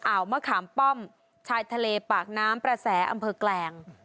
มะขามป้อมชายทะเลปากน้ำประแสอำเภอแกลง